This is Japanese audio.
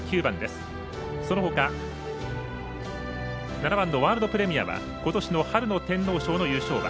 ７番のワールドプレミアはことしの春の天皇賞の優勝馬。